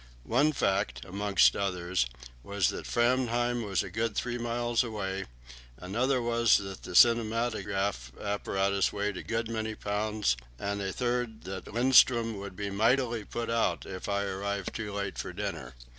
One fact, amongst others, was that Framheim was a good three miles away; another was that the cinematograph apparatus weighed a good many pounds; and a third that Lindström would be mightily put out if I arrived too late for dinner.